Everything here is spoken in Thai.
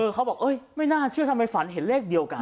เขาบอกไม่น่าเชื่อทำไมฝันเห็นเลขเดียวกัน